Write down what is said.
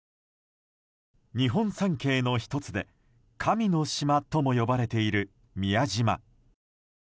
日本三景の１つで神の島とも呼ばれている宮島。